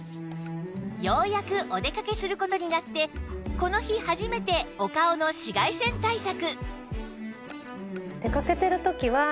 ようやくお出かけする事になってこの日初めてお顔の紫外線対策